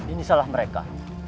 ini salah mereka